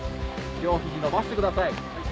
両肘伸ばしてください。